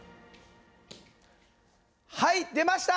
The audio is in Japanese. はい出ました！